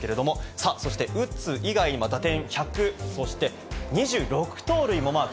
さあ、そして打つ以外に、打点１００、２６盗塁もマーク。